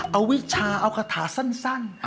เอาวิชาเอาคาถาสั้น